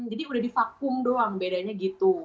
jadi udah di vakum doang bedanya gitu